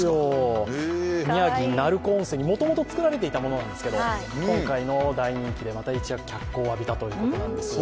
宮城・鳴子温泉でもともと作られていたものなんですが今回の大人気でまた一躍脚光を浴びたということなんです。